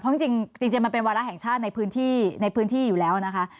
เพราะจริงมันเป็นวาระแห่งชาติในพื้นที่ในพื้นที่อยู่แล้วนะคะ